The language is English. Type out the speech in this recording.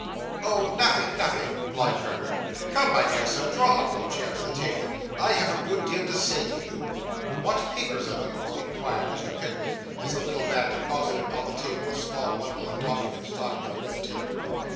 'Oh, nothing, nothing,' replied Perker. 'Come, my dear Sir, draw up your chair to the table. I have a good deal to say to you.' 'What papers are those?' inquired Mr. Pickwick, as the little man deposited on the table a small bundle of documents tied with red tape.